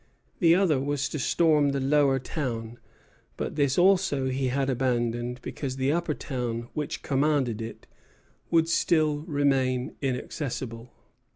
The other was to storm the Lower Town; but this also he had abandoned, because the Upper Town, which commanded it, would still remain inaccessible.